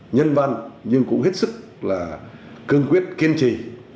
nhân văn nhưng cũng hết sức là cương quyết kiên trì